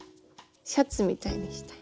シャツみたいにして。